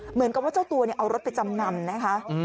เหมือนกับว่าเจ้าตัวเอารถไปจำนำนะคะ